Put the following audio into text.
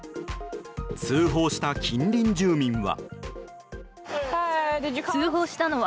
通報した近隣住民は。